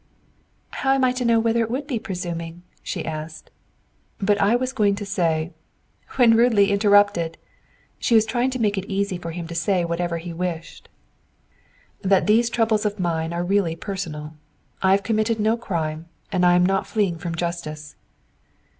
"How am I to know whether it would be presuming?" she asked. "But I was going to say " "When rudely interrupted!" She was trying to make it easy for him to say whatever he wished. " that these troubles of mine are really personal. I have committed no crime and am not fleeing from justice."